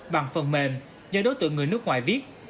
bằng phần mềm do đối tượng người nước ngoài viết